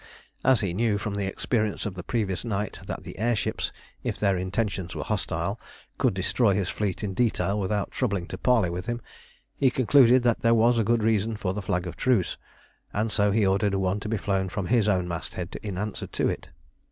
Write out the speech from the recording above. As he knew from the experience of the previous night that the air ships, if their intentions were hostile, could destroy his fleet in detail without troubling to parley with him, he concluded that there was a good reason for the flag of truce, and so he ordered one to be flown from his own masthead in answer to it.